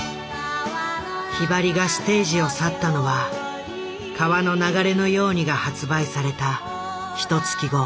ひばりがステージを去ったのは「川の流れのように」が発売されたひと月後。